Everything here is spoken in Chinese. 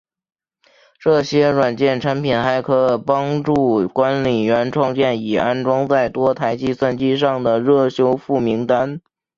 这些软件产品还可帮助管理员创建已安装在多台计算机上的热修复名单。